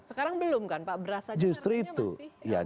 sekarang belum kan pak berasa di negara ini masih naik turun sesuai demand